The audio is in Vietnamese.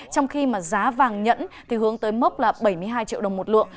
trong khi mà giá vàng nhẫn thì hướng tới mốc là bảy mươi hai triệu đồng một lượng